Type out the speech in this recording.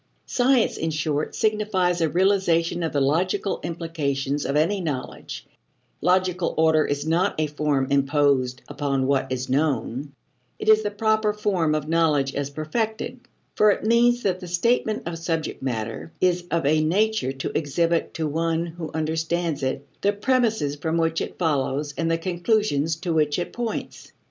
Science, in short, signifies a realization of the logical implications of any knowledge. Logical order is not a form imposed upon what is known; it is the proper form of knowledge as perfected. For it means that the statement of subject matter is of a nature to exhibit to one who understands it the premises from which it follows and the conclusions to which it points (See ante, p.